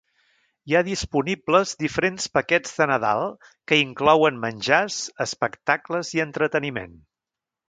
Hi ha disponibles diferents paquets de Nadal que inclouen menjars, espectacles i entreteniment.